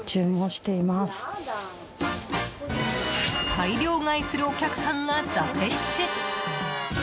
大量買いするお客さんが続出。